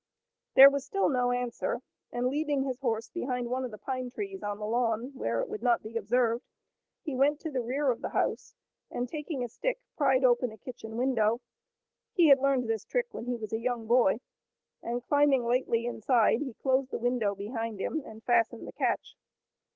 There was still no answer, and leading his horse behind one of the pine trees on the lawn, where it would not be observed, he went to the rear of the house, and taking a stick pried open a kitchen window. He had learned this trick when he was a young boy, and climbing lightly inside he closed the window behind him and fastened the catch.